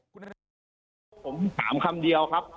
ผมถามคำเดียวครับ